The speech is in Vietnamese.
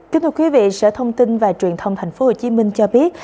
kính thưa quý vị sở thông tin và truyền thông tp hcm cho biết